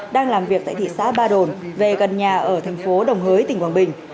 đang làm việc tại thị xã ba đồn về gần nhà ở thành phố đồng hới tỉnh quảng bình